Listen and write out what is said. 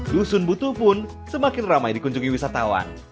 dusun butuh pun semakin ramai dikunjungi wisatawan